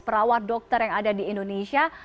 perawat dokter yang ada di indonesia